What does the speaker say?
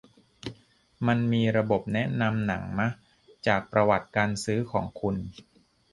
มันมีระบบแนะนำหนังมะ จากประวัติการซื้อของคุณ